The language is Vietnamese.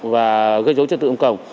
và gây dối trật tự